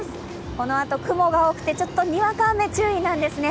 このあと、雲が多くてにわか雨に注意なんですね。